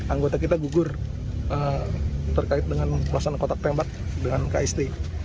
anggota kita gugur terkait dengan pelaksanaan kotak tembak dengan kst